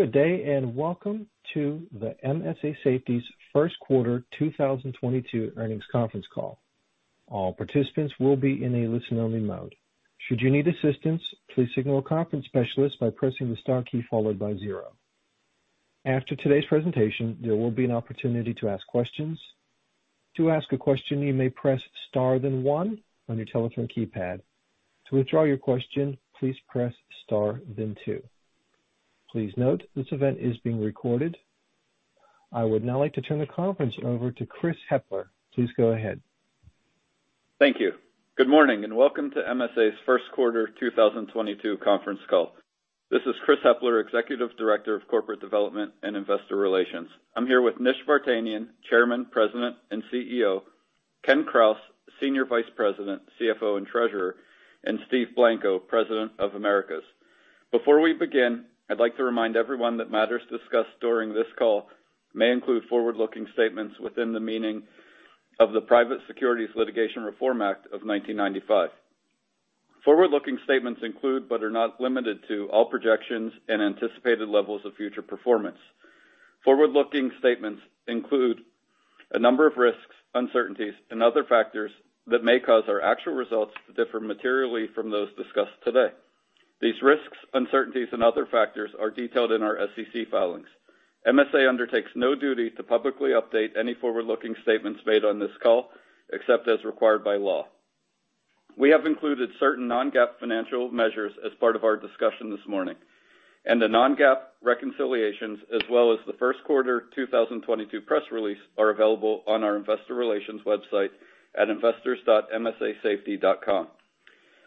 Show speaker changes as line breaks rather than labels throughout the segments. Good day, and welcome to the MSA Safety's first quarter 2022 earnings conference call. All participants will be in a listen-only mode. Should you need assistance, please signal a conference specialist by pressing the star key followed by zero. After today's presentation, there will be an opportunity to ask questions. To ask a question, you may press star then one on your telephone keypad. To withdraw your question, please press star then two. Please note, this event is being recorded. I would now like to turn the conference over to Chris Hepler. Please go ahead.
Thank you. Good morning, and welcome to MSA's first quarter 2022 conference call. This is Chris Hepler, Executive Director of Corporate Development and Investor Relations. I'm here with Nish Vartanian, Chairman, President, and CEO, Ken Krause, Senior Vice President, CFO, and Treasurer, and Steve Blanco, President of Americas. Before we begin, I'd like to remind everyone that matters discussed during this call may include forward-looking statements within the meaning of the Private Securities Litigation Reform Act of 1995. Forward-looking statements include, but are not limited to, all projections and anticipated levels of future performance. Forward-looking statements include a number of risks, uncertainties, and other factors that may cause our actual results to differ materially from those discussed today. These risks, uncertainties, and other factors are detailed in our SEC filings. MSA undertakes no duty to publicly update any forward-looking statements made on this call, except as required by law. We have included certain non-GAAP financial measures as part of our discussion this morning, and the non-GAAP reconciliations as well as the first quarter 2022 press release are available on our investor relations website at investors.msasafety.com.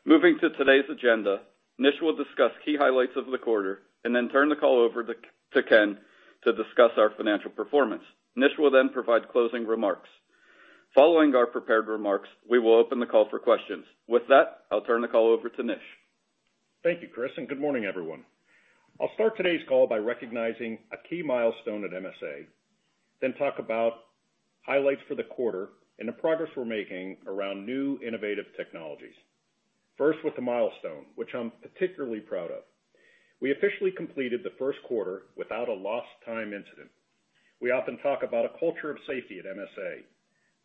Moving to today's agenda, Nish will discuss key highlights of the quarter and then turn the call over to Ken to discuss our financial performance. Nish will then provide closing remarks. Following our prepared remarks, we will open the call for questions. With that, I'll turn the call over to Nish.
Thank you, Chris, and good morning, everyone. I'll start today's call by recognizing a key milestone at MSA, then talk about highlights for the quarter and the progress we're making around new innovative technologies. First, with the milestone, which I'm particularly proud of. We officially completed the first quarter without a lost time incident. We often talk about a culture of safety at MSA.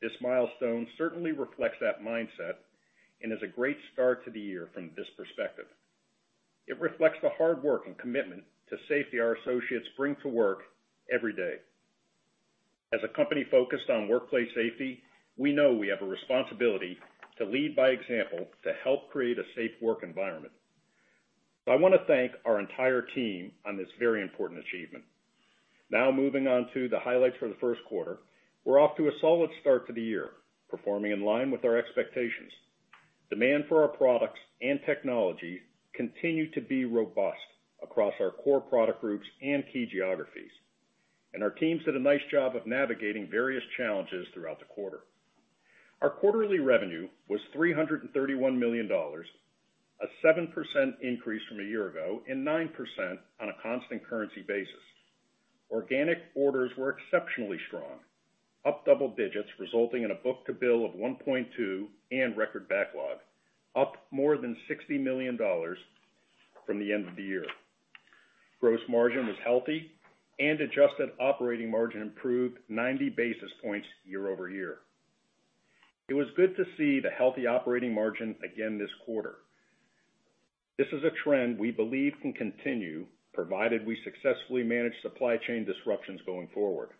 This milestone certainly reflects that mindset and is a great start to the year from this perspective. It reflects the hard work and commitment to safety our associates bring to work every day. As a company focused on workplace safety, we know we have a responsibility to lead by example to help create a safe work environment. I wanna thank our entire team on this very important achievement. Now moving on to the highlights for the first quarter. We're off to a solid start to the year, performing in line with our expectations. Demand for our products and technology continue to be robust across our core product groups and key geographies. Our teams did a nice job of navigating various challenges throughout the quarter. Our quarterly revenue was $331 million, a 7% increase from a year ago and 9% on a constant currency basis. Organic orders were exceptionally strong, up double digits, resulting in a book-to-bill of 1.2 and record backlog, up more than $60 million from the end of the year. Gross margin was healthy and adjusted operating margin improved 90 basis points year-over-year. It was good to see the healthy operating margin again this quarter. This is a trend we believe can continue, provided we successfully manage supply chain disruptions going forward.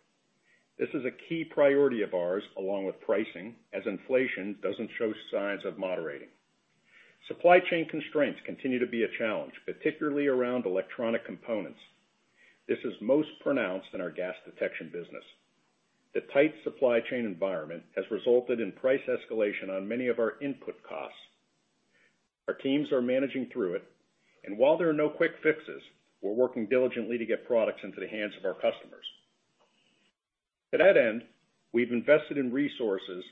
This is a key priority of ours, along with pricing, as inflation doesn't show signs of moderating. Supply chain constraints continue to be a challenge, particularly around electronic components. This is most pronounced in our gas detection business. The tight supply chain environment has resulted in price escalation on many of our input costs. Our teams are managing through it, and while there are no quick fixes, we're working diligently to get products into the hands of our customers. To that end, we've invested in resources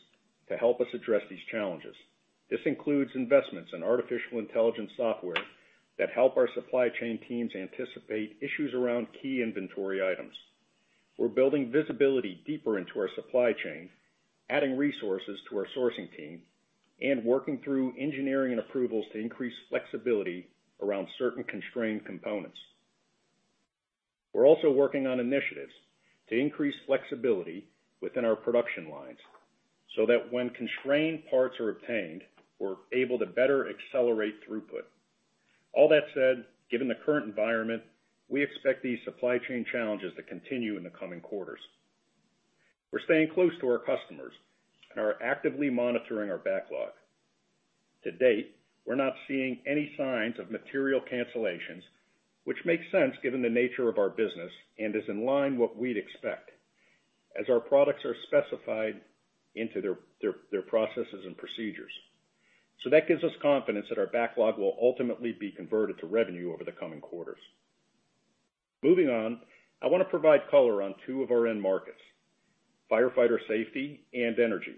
to help us address these challenges. This includes investments in artificial intelligence software that help our supply chain teams anticipate issues around key inventory items. We're building visibility deeper into our supply chain, adding resources to our sourcing team, and working through engineering and approvals to increase flexibility around certain constrained components. We're also working on initiatives to increase flexibility within our production lines so that when constrained parts are obtained, we're able to better accelerate throughput. All that said, given the current environment, we expect these supply chain challenges to continue in the coming quarters. We're staying close to our customers and are actively monitoring our backlog. To date, we're not seeing any signs of material cancellations, which makes sense given the nature of our business and is in line with what we'd expect as our products are specified into their processes and procedures. That gives us confidence that our backlog will ultimately be converted to revenue over the coming quarters. Moving on, I wanna provide color on two of our end markets, firefighter safety and energy.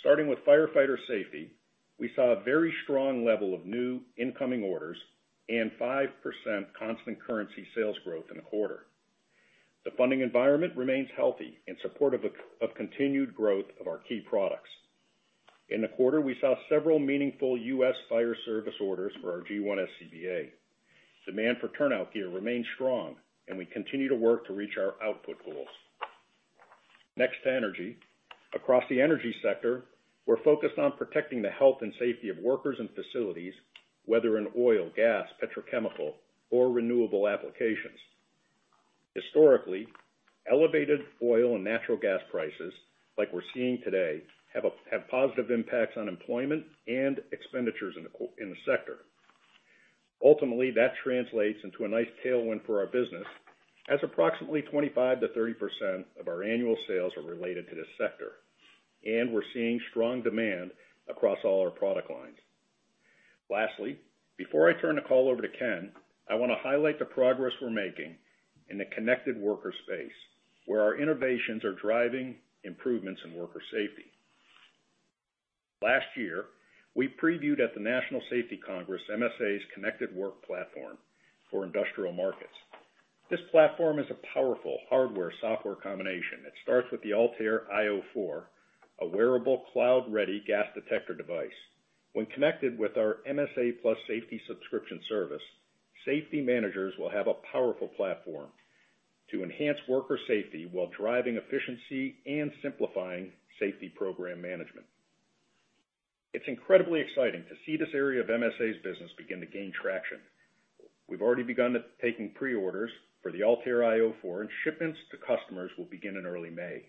Starting with firefighter safety, we saw a very strong level of new incoming orders and 5% constant currency sales growth in the quarter. The funding environment remains healthy in support of continued growth of our key products. In the quarter, we saw several meaningful U.S. fire service orders for our G1 SCBA. Demand for turnout gear remains strong, and we continue to work to reach our output goals. Next, energy. Across the energy sector, we're focused on protecting the health and safety of workers and facilities, whether in oil, gas, petrochemical, or renewable applications. Historically, elevated oil and natural gas prices, like we're seeing today, have positive impacts on employment and expenditures in the sector. Ultimately, that translates into a nice tailwind for our business, as approximately 25%-30% of our annual sales are related to this sector, and we're seeing strong demand across all our product lines. Lastly, before I turn the call over to Ken, I wanna highlight the progress we're making in the connected worker space, where our innovations are driving improvements in worker safety. Last year, we previewed at the National Safety Congress, MSA Connected Work Platform for industrial markets. This platform is a powerful hardware-software combination that starts with the ALTAIR io 4, a wearable cloud-ready gas detector device. When connected with our MSA+ safety subscription service, safety managers will have a powerful platform to enhance worker safety while driving efficiency and simplifying safety program management. It's incredibly exciting to see this area of MSA's business begin to gain traction. We've already begun to taking pre-orders for the ALTAIR io 4, and shipments to customers will begin in early May.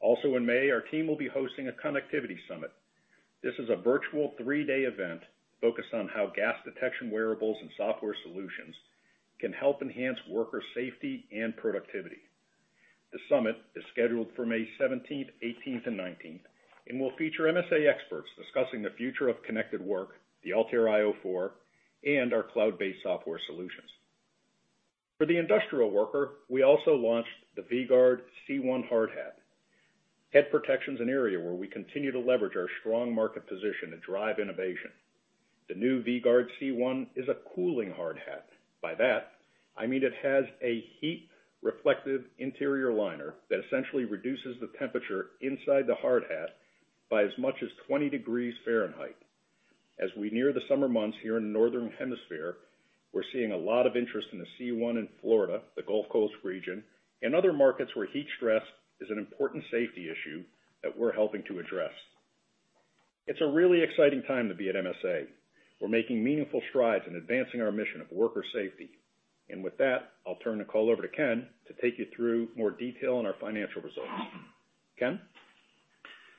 Also in May, our team will be hosting a Connectivity Summit. This is a virtual three-day event focused on how gas detection wearables and software solutions can help enhance worker safety and productivity. The summit is scheduled for May 17th, 18th, and 19th and will feature MSA experts discussing the future of connected work, the ALTAIR io 4, and our cloud-based software solutions. For the industrial worker, we also launched the V-Gard C1 hard hat. Head protection's an area where we continue to leverage our strong market position to drive innovation. The new V-Gard C1 is a cooling hard hat. By that, I mean it has a heat-reflective interior liner that essentially reduces the temperature inside the hard hat by as much as 20 degrees Fahrenheit. As we near the summer months here in the Northern Hemisphere, we're seeing a lot of interest in the C1 in Florida, the Gulf Coast region, and other markets where heat stress is an important safety issue that we're helping to address. It's a really exciting time to be at MSA. We're making meaningful strides in advancing our mission of worker safety. With that, I'll turn the call over to Ken to take you through more detail on our financial results. Ken?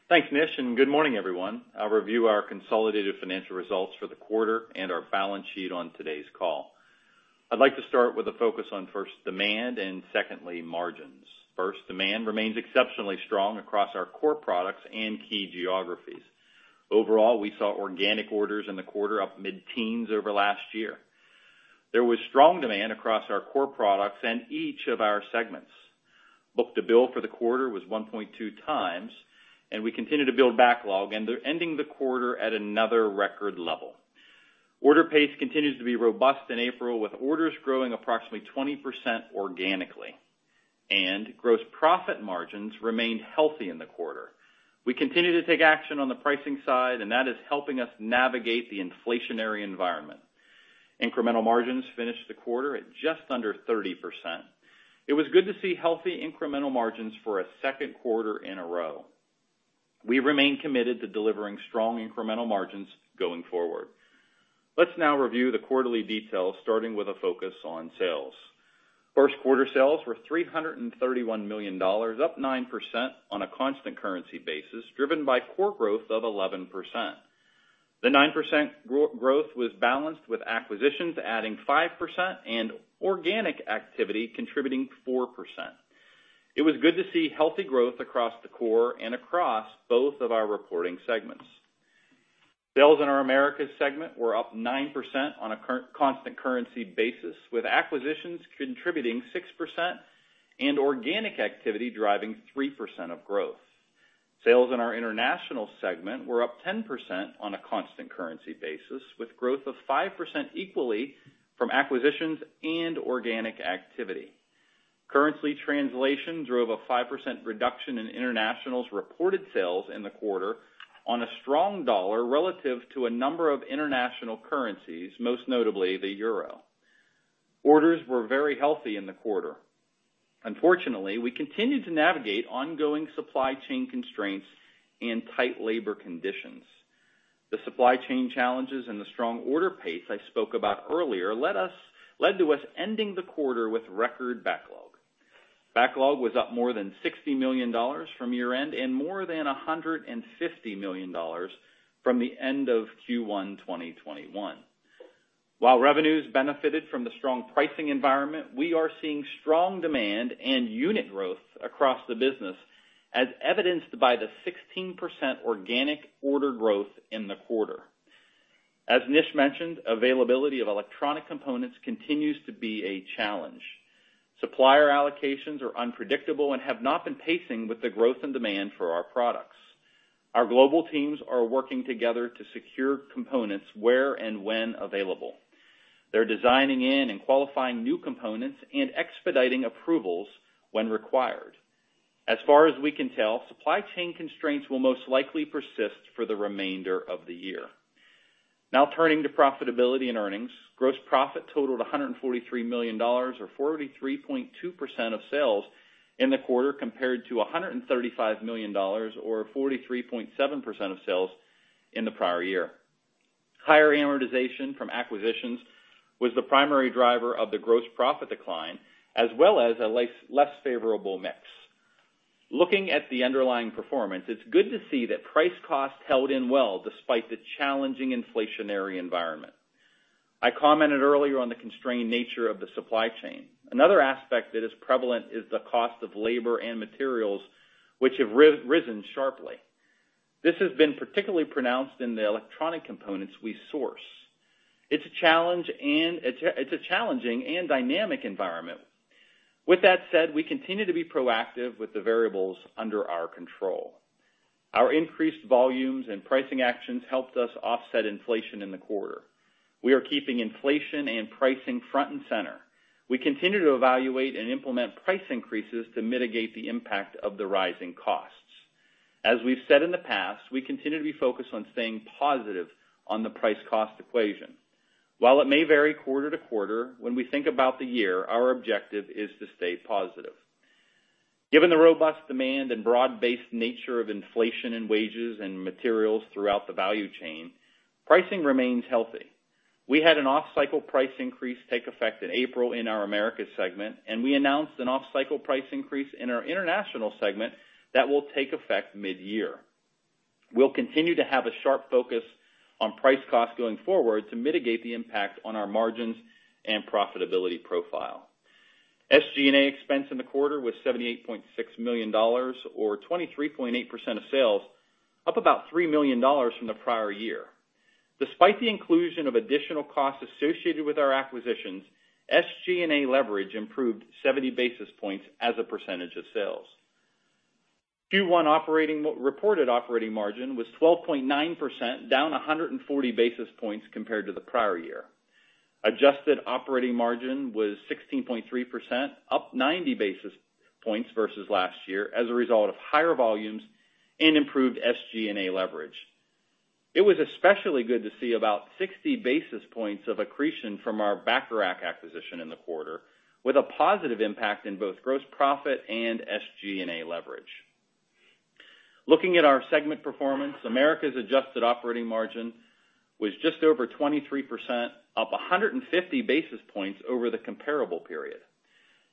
Thanks, Nish Vartanian, and good morning, everyone. I'll review our consolidated financial results for the quarter and our balance sheet on today's call. I'd like to start with a focus on, first, demand and secondly, margins. First, demand remains exceptionally strong across our core products and key geographies. Overall, we saw organic orders in the quarter up mid-teens over last year. There was strong demand across our core products in each of our segments. Book-to-bill for the quarter was 1.2 times, and we continue to build backlog and there, ending the quarter, at another record level. Order pace continues to be robust in April, with orders growing approximately 20% organically, and gross profit margins remained healthy in the quarter. We continue to take action on the pricing side, and that is helping us navigate the inflationary environment. Incremental margins finished the quarter at just under 30%. It was good to see healthy incremental margins for a second quarter in a row. We remain committed to delivering strong incremental margins going forward. Let's now review the quarterly details, starting with a focus on sales. First quarter sales were $331 million, up 9% on a constant currency basis, driven by core growth of 11%. The nine percent growth was balanced with acquisitions adding 5% and organic activity contributing 4%. It was good to see healthy growth across the core and across both of our reporting segments. Sales in our Americas segment were up 9% on a constant currency basis, with acquisitions contributing 6% and organic activity driving 3% of growth. Sales in our international segment were up 10% on a constant currency basis, with growth of 5% equally from acquisitions and organic activity. Currency translation drove a 5% reduction in international's reported sales in the quarter on a strong dollar relative to a number of international currencies, most notably the euro. Orders were very healthy in the quarter. Unfortunately, we continued to navigate ongoing supply chain constraints and tight labor conditions. The supply chain challenges and the strong order pace I spoke about earlier led to us ending the quarter with record backlog. Backlog was up more than $60 million from year-end and more than $150 million from the end of Q1 2021. While revenues benefited from the strong pricing environment, we are seeing strong demand and unit growth across the business, as evidenced by the 16% organic order growth in the quarter. As Nish mentioned, availability of electronic components continues to be a challenge. Supplier allocations are unpredictable and have not been pacing with the growth and demand for our products. Our global teams are working together to secure components where and when available. They're designing in and qualifying new components and expediting approvals when required. As far as we can tell, supply chain constraints will most likely persist for the remainder of the year. Now turning to profitability and earnings. Gross profit totaled $143 million, or 43.2% of sales in the quarter, compared to $135 million or 43.7% of sales in the prior year. Higher amortization from acquisitions was the primary driver of the gross profit decline, as well as a less favorable mix. Looking at the underlying performance, it's good to see that price cost held in well despite the challenging inflationary environment. I commented earlier on the constrained nature of the supply chain. Another aspect that is prevalent is the cost of labor and materials, which have risen sharply. This has been particularly pronounced in the electronic components we source. It's a challenge. It's a challenging and dynamic environment. With that said, we continue to be proactive with the variables under our control. Our increased volumes and pricing actions helped us offset inflation in the quarter. We are keeping inflation and pricing front and center. We continue to evaluate and implement price increases to mitigate the impact of the rising costs. As we've said in the past, we continue to be focused on staying positive on the price cost equation. While it may vary quarter to quarter, when we think about the year, our objective is to stay positive. Given the robust demand and broad-based nature of inflation in wages and materials throughout the value chain, pricing remains healthy. We had an off-cycle price increase take effect in April in our Americas segment, and we announced an off-cycle price increase in our International segment that will take effect midyear. We'll continue to have a sharp focus on price cost going forward to mitigate the impact on our margins and profitability profile. SG&A expense in the quarter was $78.6 million, or 23.8% of sales, up about $3 million from the prior year. Despite the inclusion of additional costs associated with our acquisitions, SG&A leverage improved 70 basis points as a percentage of sales. Q1 reported operating margin was 12.9%, down 140 basis points compared to the prior year. Adjusted operating margin was 16.3%, up 90 basis points versus last year as a result of higher volumes and improved SG&A leverage. It was especially good to see about 60 basis points of accretion from our Bacharach acquisition in the quarter, with a positive impact in both gross profit and SG&A leverage. Looking at our segment performance, Americas adjusted operating margin was just over 23%, up 150 basis points over the comparable period.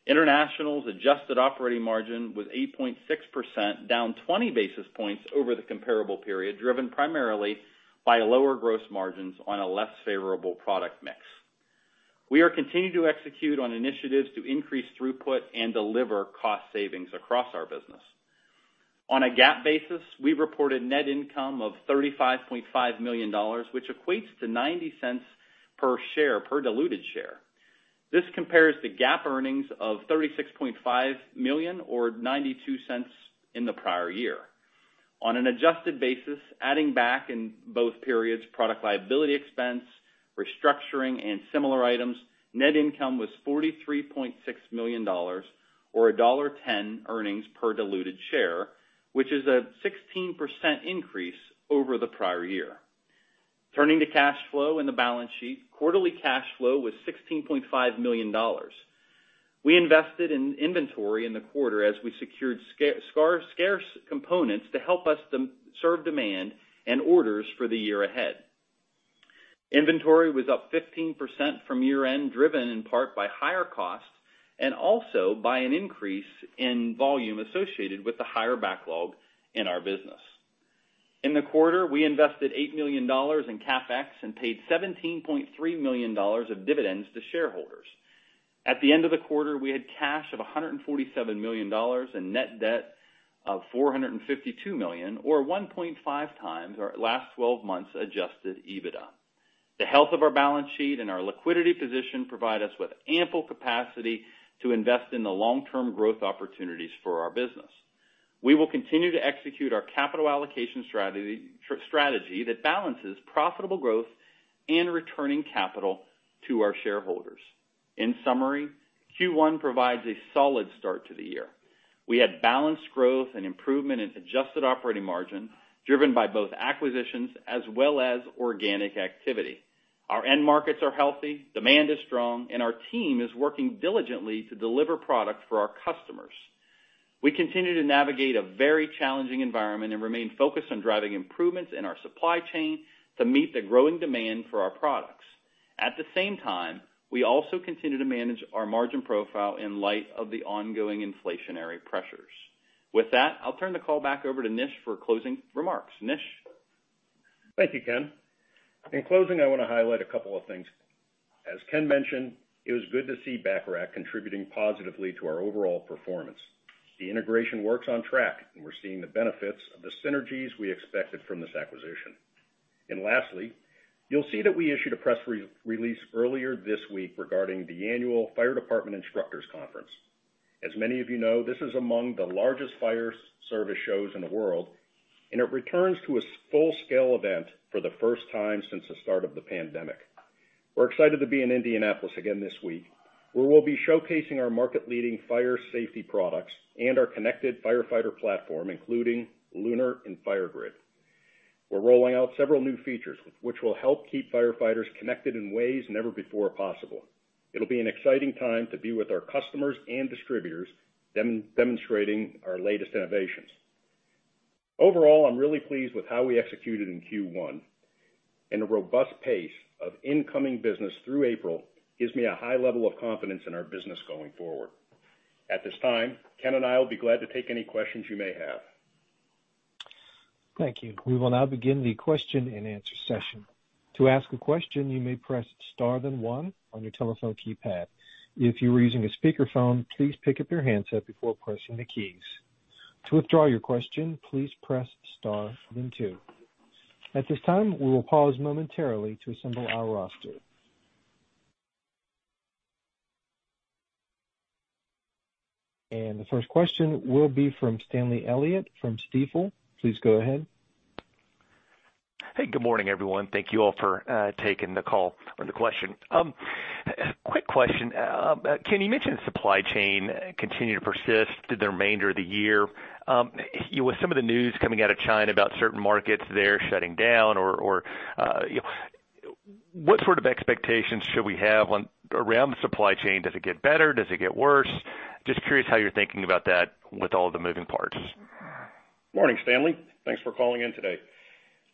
International's adjusted operating margin was 8.6%, down 20 basis points over the comparable period, driven primarily by lower gross margins on a less favorable product mix. We are continuing to execute on initiatives to increase throughput and deliver cost savings across our business. On a GAAP basis, we reported net income of $35.5 million, which equates to $0.90 per share, per diluted share. This compares to GAAP earnings of $36.5 million or $0.92 in the prior year. On an adjusted basis, adding back in both periods product liability expense, restructuring, and similar items, net income was $43.6 million or $1.10 earnings per diluted share, which is a 16% increase over the prior year. Turning to cash flow and the balance sheet, quarterly cash flow was $16.5 million. We invested in inventory in the quarter as we secured scarce components to help us serve demand and orders for the year ahead. Inventory was up 15% from year-end, driven in part by higher costs and also by an increase in volume associated with the higher backlog in our business. In the quarter, we invested $8 million in CapEx and paid $17.3 million of dividends to shareholders. At the end of the quarter, we had cash of $147 million and net debt of $452 million, or 1.5 times our last 12 months Adjusted EBITDA. The health of our balance sheet and our liquidity position provide us with ample capacity to invest in the long-term growth opportunities for our business. We will continue to execute our capital allocation strategy that balances profitable growth and returning capital to our shareholders. In summary, Q1 provides a solid start to the year. We had balanced growth and improvement in adjusted operating margin, driven by both acquisitions as well as organic activity. Our end markets are healthy, demand is strong, and our team is working diligently to deliver product for our customers. We continue to navigate a very challenging environment and remain focused on driving improvements in our supply chain to meet the growing demand for our products. At the same time, we also continue to manage our margin profile in light of the ongoing inflationary pressures. With that, I'll turn the call back over to Nish for closing remarks. Nish?
Thank you, Ken. In closing, I wanna highlight a couple of things. As Ken mentioned, it was good to see Bacharach contributing positively to our overall performance. The integration work's on track, and we're seeing the benefits of the synergies we expected from this acquisition. Lastly, you'll see that we issued a press release earlier this week regarding the annual Fire Department Instructors Conference. As many of you know, this is among the largest fire service shows in the world, and it returns to a full-scale event for the first time since the start of the pandemic. We're excited to be in Indianapolis again this week, where we'll be showcasing our market-leading fire safety products and our Connected Firefighter Platform, including LUNAR and FireGrid. We're rolling out several new features with which we'll help keep firefighters connected in ways never before possible. It'll be an exciting time to be with our customers and distributors demonstrating our latest innovations. Overall, I'm really pleased with how we executed in Q1, and a robust pace of incoming business through April gives me a high level of confidence in our business going forward. At this time, Ken and I will be glad to take any questions you may have.
Thank you. We will now begin the question-and-answer session. To ask a question, you may press star then one on your telephone keypad. If you are using a speakerphone, please pick up your handset before pressing the keys. To withdraw your question, please press star then two. At this time, we will pause momentarily to assemble our roster. The first question will be from Stanley Elliott from Stifel. Please go ahead.
Hey, good morning, everyone. Thank you all for taking the call or the question. Quick question. Ken Krause, you mentioned supply chain continue to persist through the remainder of the year. You know, with some of the news coming out of China about certain markets there shutting down or you know, what sort of expectations should we have or around the supply chain? Does it get better? Does it get worse? Just curious how you're thinking about that with all the moving parts.
Morning, Stanley. Thanks for calling in today.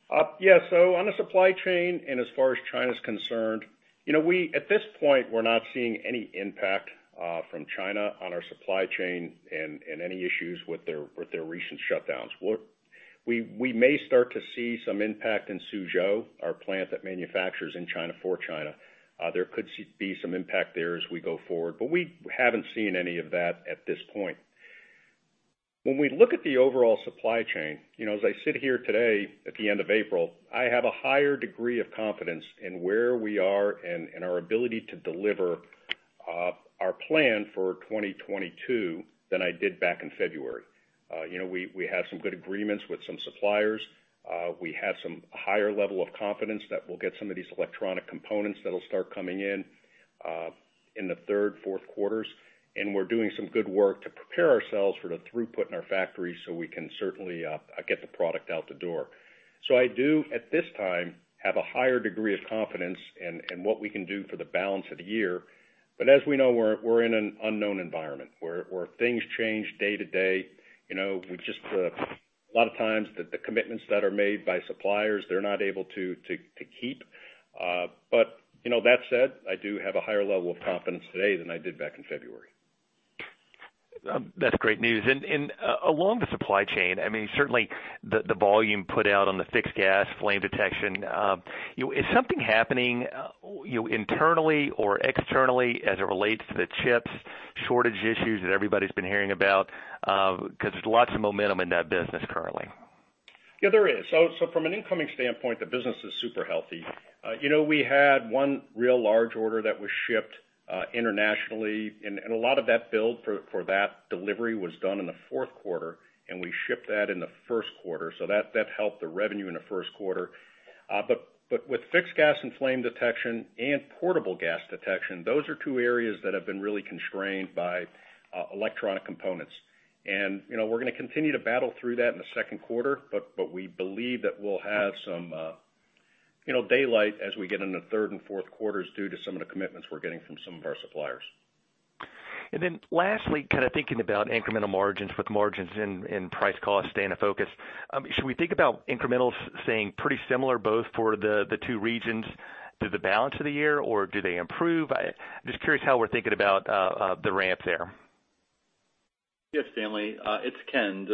On the supply chain, as far as China's concerned, you know, at this point, we're not seeing any impact from China on our supply chain and any issues with their recent shutdowns. We may start to see some impact in Suzhou, our plant that manufactures in China for China. There could be some impact there as we go forward, but we haven't seen any of that at this point. When we look at the overall supply chain, you know, as I sit here today at the end of April, I have a higher degree of confidence in where we are and our ability to deliver our plan for 2022 than I did back in February. You know, we have some good agreements with some suppliers. We have some higher level of confidence that we'll get some of these electronic components that'll start coming in in the third, fourth quarters, and we're doing some good work to prepare ourselves for the throughput in our factories, so we can certainly get the product out the door. I do, at this time, have a higher degree of confidence in what we can do for the balance of the year. As we know, we're in an unknown environment where things change day to day. You know, a lot of times the commitments that are made by suppliers, they're not able to keep. You know, that said, I do have a higher level of confidence today than I did back in February.
That's great news. Along the supply chain, I mean, certainly the volume put out on the fixed gas flame detection, you know, is something happening, you know, internally or externally as it relates to the chips shortage issues that everybody's been hearing about? 'Cause there's lots of momentum in that business currently.
Yeah, there is. From an incoming standpoint, the business is super healthy. You know, we had one real large order that was shipped internationally and a lot of that build for that delivery was done in the fourth quarter, and we shipped that in the first quarter. That helped the revenue in the first quarter. With fixed gas and flame detection and portable gas detection, those are two areas that have been really constrained by electronic components. You know, we're gonna continue to battle through that in the second quarter, but we believe that we'll have some daylight as we get into third and fourth quarters due to some of the commitments we're getting from some of our suppliers.
Then lastly, kind of thinking about incremental margins with margins and price cost staying a focus, should we think about incrementals staying pretty similar both for the two regions through the balance of the year, or do they improve? I'm just curious how we're thinking about the ramp there.
Yes, Stanley. It's Ken.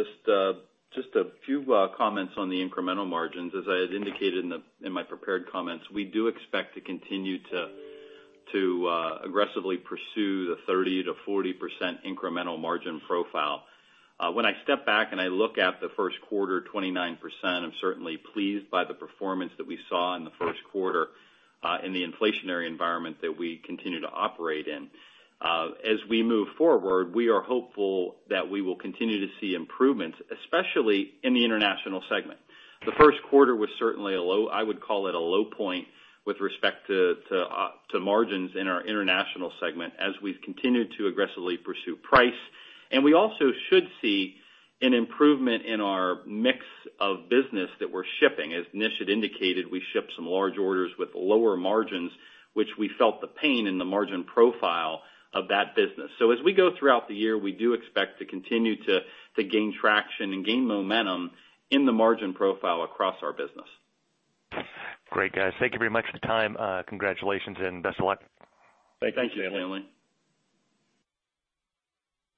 Just a few comments on the incremental margins. As I had indicated in my prepared comments, we do expect to continue to aggressively pursue the 30%-40% incremental margin profile. When I step back and I look at the first quarter, 29%, I'm certainly pleased by the performance that we saw in the first quarter in the inflationary environment that we continue to operate in. As we move forward, we are hopeful that we will continue to see improvements, especially in the international segment. The first quarter was certainly a low. I would call it a low point with respect to margins in our international segment as we've continued to aggressively pursue price. We also should see an improvement in our mix of business that we're shipping. As Nish had indicated, we shipped some large orders with lower margins, which we felt the pain in the margin profile of that business. As we go throughout the year, we do expect to continue to gain traction and gain momentum in the margin profile across our business.
Great, guys. Thank you very much for the time. Congratulations and best of luck.
Thank you.
Thanks, Stanley.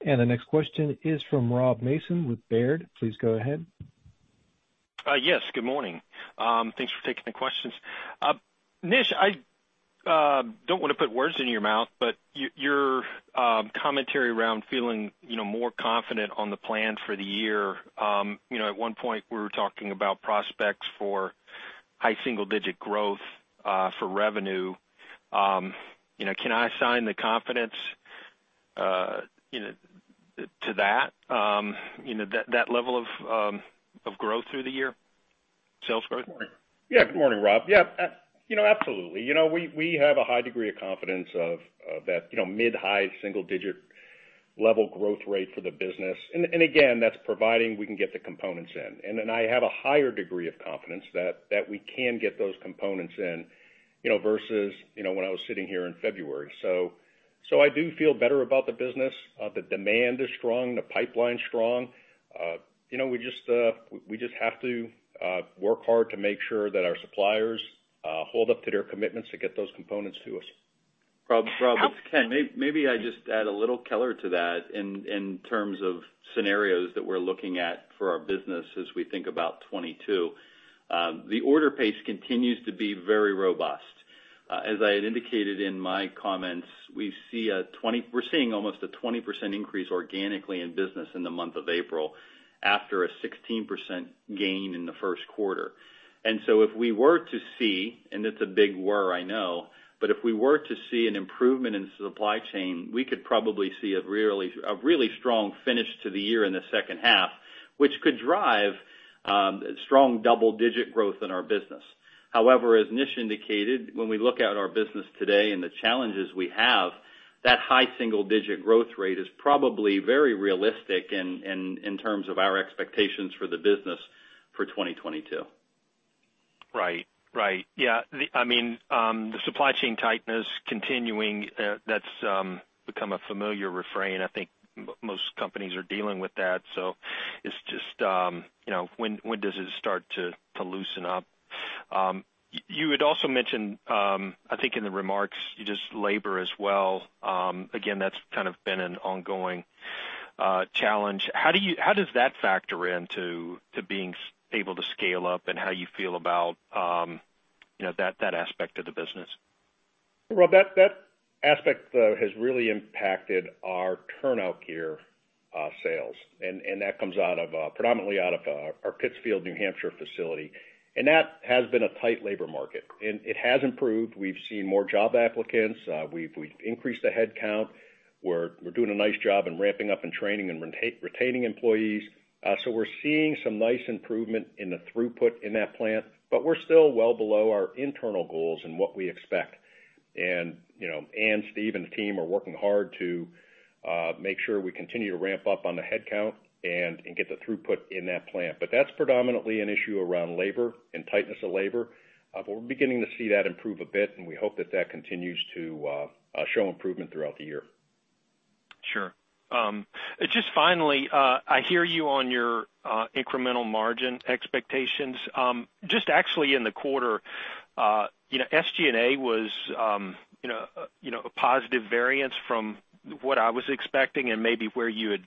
The next question is from Rob Mason with Baird. Please go ahead.
Yes. Good morning. Thanks for taking the questions. Nish, I don't wanna put words in your mouth, but your commentary around feeling, you know, more confident on the plan for the year, you know, at one point, we were talking about prospects for high single digit growth for revenue. You know, can I assign the confidence, you know, to that, you know, that level of growth through the year, sales growth?
Yeah. Good morning, Rob. Yeah. You know, absolutely. You know, we have a high degree of confidence of that, you know, mid high single digit level growth rate for the business. Again, that's providing we can get the components in. Then I have a higher degree of confidence that we can get those components in, you know, versus, you know, when I was sitting here in February. I do feel better about the business. The demand is strong, the pipeline's strong. You know, we just have to work hard to make sure that our suppliers hold up to their commitments to get those components to us.
Rob, it's Ken. Maybe I just add a little color to that in terms of scenarios that we're looking at for our business as we think about 2022. The order pace continues to be very robust. As I had indicated in my comments, we're seeing almost a 20% increase organically in business in the month of April after a 16% gain in the first quarter. If we were to see, and it's a big if, I know, but if we were to see an improvement in supply chain, we could probably see a really strong finish to the year in the second half, which could drive strong double-digit growth in our business. However, as Nish indicated, when we look at our business today and the challenges we have, that high single digit growth rate is probably very realistic in terms of our expectations for the business for 2022.
Right. Yeah. I mean, the supply chain tightness continuing, that's become a familiar refrain. I think most companies are dealing with that, so it's just, you know, when does it start to loosen up? You had also mentioned, I think in the remarks, just labor as well. Again, that's kind of been an ongoing challenge. How does that factor into being able to scale up and how you feel about, you know, that aspect of the business?
Well, that aspect has really impacted our turnout gear sales, and that comes predominantly out of our Pittsfield, New Hampshire facility. That has been a tight labor market. It has improved. We've seen more job applicants. We've increased the headcount. We're doing a nice job in ramping up and training and retaining employees. So we're seeing some nice improvement in the throughput in that plant, but we're still well below our internal goals and what we expect. You know, Anne, Steve and the team are working hard to make sure we continue to ramp up on the headcount and get the throughput in that plant. That's predominantly an issue around labor and tightness of labor. We're beginning to see that improve a bit, and we hope that continues to show improvement throughout the year.
Sure. Just finally, I hear you on your incremental margin expectations. Just actually in the quarter, you know, SG&A was you know a positive variance from what I was expecting and maybe where you had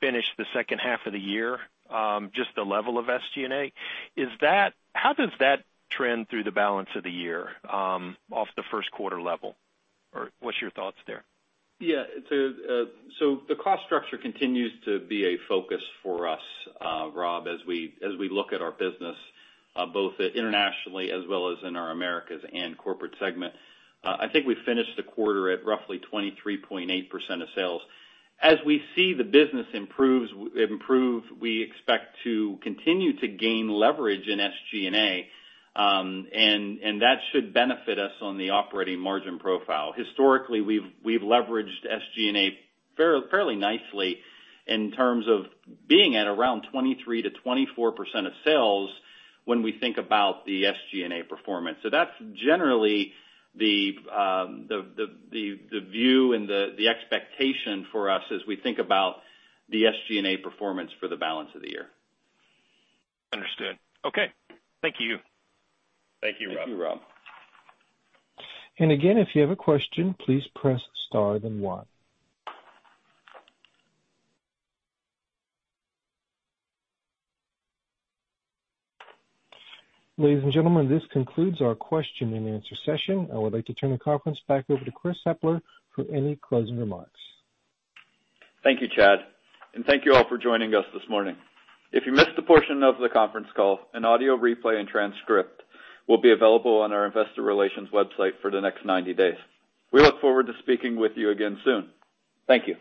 finished the second half of the year, just the level of SG&A. Is that how does that trend through the balance of the year, off the first quarter level? Or what's your thoughts there?
The cost structure continues to be a focus for us, Rob, as we look at our business both internationally as well as in our Americas and corporate segment. I think we finished the quarter at roughly 23.8% of sales. As we see the business improve, we expect to continue to gain leverage in SG&A, and that should benefit us on the operating margin profile. Historically, we've leveraged SG&A fairly nicely in terms of being at around 23%-24% of sales when we think about the SG&A performance. That's generally the view and the expectation for us as we think about the SG&A performance for the balance of the year.
Understood. Okay. Thank you.
Thank you, Rob.
Thank you, Rob.
Again, if you have a question, please press star then one. Ladies and gentlemen, this concludes our question and answer session. I would like to turn the conference back over to Chris Hepler for any closing remarks.
Thank you, Chad, and thank you all for joining us this morning. If you missed a portion of the conference call, an audio replay and transcript will be available on our investor relations website for the next 90 days. We look forward to speaking with you again soon. Thank you.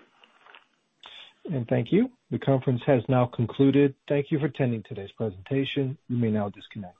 Thank you. The conference has now concluded. Thank you for attending today's presentation. You may now disconnect.